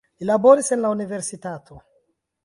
Li laboris en la universitato.